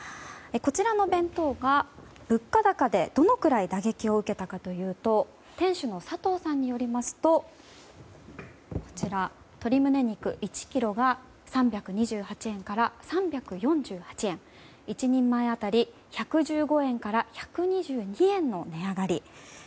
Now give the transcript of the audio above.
こちらの弁当は物価高でどのくらい打撃を受けたかというと店主の佐藤さんによりますと鳥むね肉１ｋｇが３２８円から３４８円１人前当たり、１１５円から１２２円の値上がり。